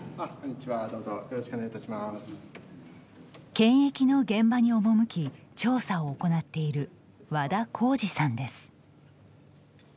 検疫の現場に赴き、調査を行っている和田耕治さんです。